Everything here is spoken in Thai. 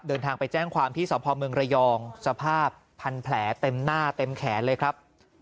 เดินทางไปแจ้งความที่สพเมืองระยองสภาพพันแผลเต็มหน้าเต็มแขนเลยครับ